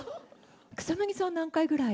草なぎさんは何回ぐらい？